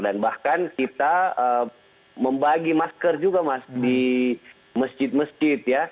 dan bahkan kita membagi masker juga mas di masjid masjid ya